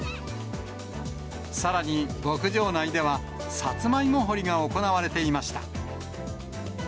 さらに、牧場内では、さつまいも掘りが行われていました。